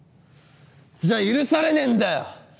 じゃ許されねぇんだよ！